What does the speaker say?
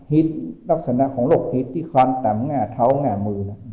ฮิตลักษณะของโลกฮิตที่ความแต่งง่าเท้าง่ามือ